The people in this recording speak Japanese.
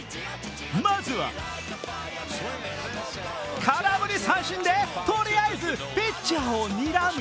まずは、空振り三振でとりあえずピッチャーをにらむ。